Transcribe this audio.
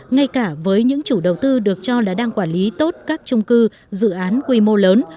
ngay cả với những chủ đầu tư được cho là đang quản lý tốt các trung cư dự án quy mô lớn